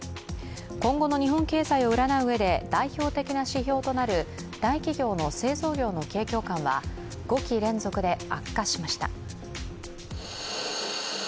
今後の日本経済を占ううえで代表的な指標となる大企業の製造業の景況感は５期連続で悪化しました。